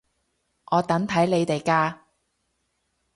我等睇你哋㗎